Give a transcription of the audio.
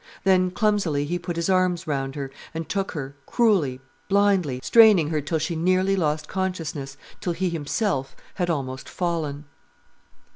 Then clumsily he put his arms round her, and took her, cruelly, blindly, straining her till she nearly lost consciousness, till he himself had almost fallen.